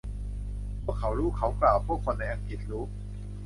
พวกเขารู้ เขากล่าว พวกคนในอังกฤษรู้